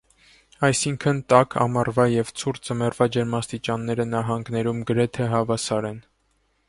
Այսինքն տաք ամառվա և ցուրտ ձմեռվա ջերմաստիճանները նահանգում գրեթե հավասար են։